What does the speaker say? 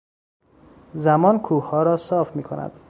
زمان کوهها را صاف میکند.